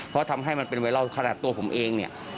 เพราะทำให้มันเป็นไวรัลขนาดตัวผมเองเนี่ย